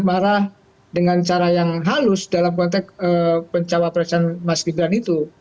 marah dengan cara yang halus dalam konteks pencawapresan mas gibran itu